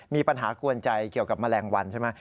มีปัญหากวนใจเกี่ยวกับแมลงวันใช่ไหม